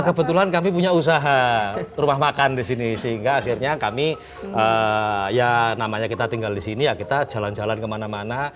kebetulan kami punya usaha rumah makan di sini sehingga akhirnya kami ya namanya kita tinggal di sini ya kita jalan jalan kemana mana